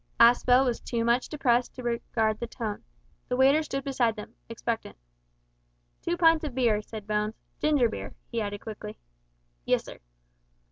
Aspel was too much depressed to regard the tone. The waiter stood beside them, expectant. "Two pints of beer," said Bones, "ginger beer," he added, quickly. "Yessir."